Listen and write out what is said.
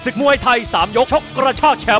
มวยไทย๓ยกชกกระชากแชมป